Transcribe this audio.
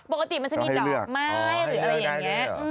ปกติมันจะมีดอกไม้หรืออะไรอย่างนี้